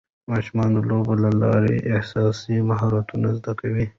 ماشومان د لوبو له لارې احساساتي مهارتونه زده کوي.